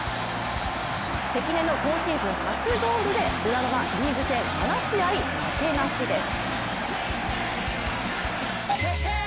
関根の今シーズン初ゴールで浦和はリーグ戦７試合負けなしです